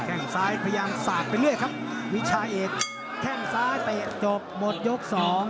แข่งซ้ายแกงซ้ายเตะจบหมดยก๒